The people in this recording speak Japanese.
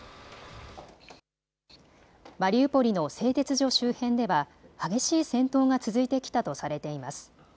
マリウポリの製鉄所周辺では激しい戦闘が続いてきたとされています。